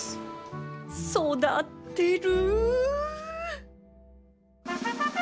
育ってる！